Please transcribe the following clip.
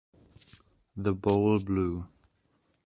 The bowl blue.